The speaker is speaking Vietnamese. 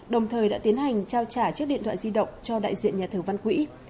đồng thời đã tiến hành trao trả chiếc điện thoại di động cho đại diện nhà thầu văn quỹ